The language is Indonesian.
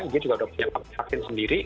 dia juga sudah punya vaksin sendiri